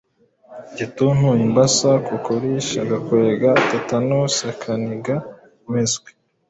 igituntu, imbasa, kokorishi, agakwega (tetanosi), akaniga, impiswi,